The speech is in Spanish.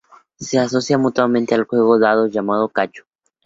Se asocia comúnmente al juego de dados llamado cacho.